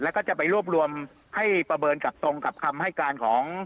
แล้วก็จะไปรวบรวมให้ประเมินกับตรงกับคำให้การของ